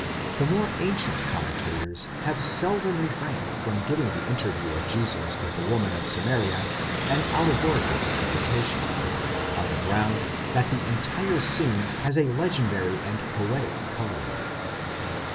* the more ancient commentators have seldom refrained from giving the interview of Jesus with the woman of Samaria an allegorical interpretation, on the ground that the entire scene has a legendary and poetic colouring.